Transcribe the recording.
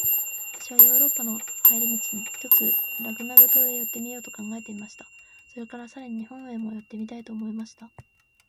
私はヨーロッパへの帰り途に、ひとつラグナグ島へ寄ってみようと考えていました。それから、さらに日本へも寄ってみたいと思いました。